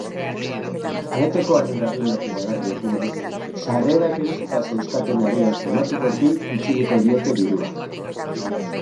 Aretoko arduradunek iragarri dutenez, sarrerak erosita zeuzkatenei automatikoki itzuliko diete dirua.